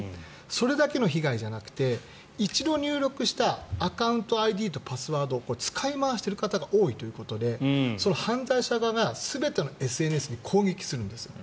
それだけの被害じゃなくて一度入力したアカウントとＩＤを使い回している人が多いということで犯罪者側が全てのＳＮＳに攻撃するんです。